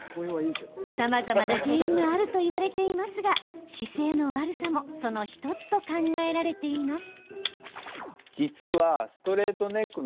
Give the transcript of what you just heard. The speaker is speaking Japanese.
さまざまな原因があるといわれていますが、姿勢の悪さもその１つと考えられています。